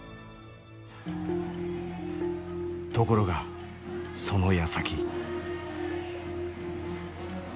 ところがそのやさき。